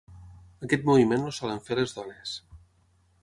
Aquest moviment el solen fer les dones.